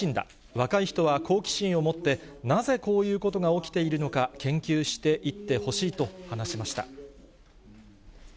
若い人は好奇心を持って、なぜこういうことが起きているのか研究していってほしいと話しました。